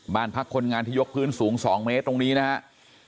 บ้านพักคนงานที่ยกพื้นสูง๒เมตรตรงนี้นะครับ